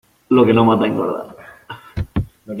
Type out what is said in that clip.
Lo que no mata, engorda.